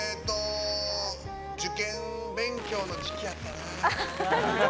受験勉強の時期やったな。